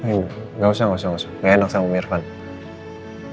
emang enak sama om irfan